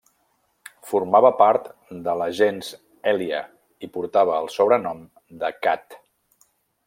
Formava part de la gens Èlia i portava el sobrenom de Cat.